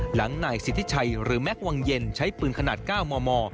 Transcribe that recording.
หลังนายสิทธิชัยหรือแม็กซวังเย็นใช้ปืนขนาด๙มม